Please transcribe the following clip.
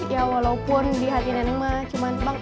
ya walaupun di hati nenek mah cuman sepuluh